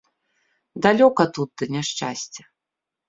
Далёка тут да няшчасця.